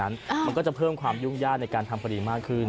มันก็จะเพิ่มความยุ่งยากในการทำคดีมากขึ้น